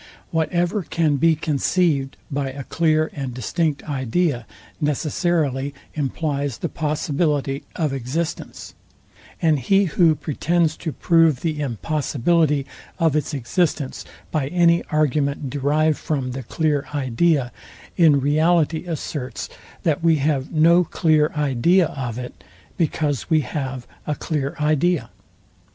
Whatever can be conceived by a clear and distinct idea necessarily implies the possibility of existence; and he who pretends to prove the impossibility of its existence by any argument derived from the clear idea, in reality asserts, that we have no clear idea of it, because we have a clear idea.